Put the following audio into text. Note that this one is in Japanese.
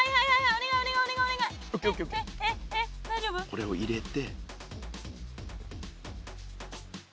これを入れて。